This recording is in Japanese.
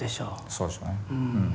そうですねはい。